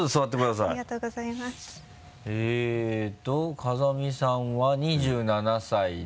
風見さんは２７歳で。